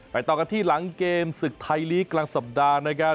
ต่อกันที่หลังเกมศึกไทยลีกกลางสัปดาห์นะครับ